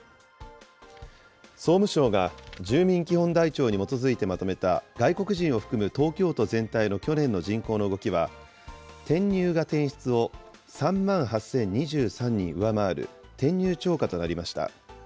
総務省が住民基本台帳に基づいてまとめた外国人を含む東京都全体の去年の人口の動きは、転入が転出を３万８０２３人上回る、転入超過となりました。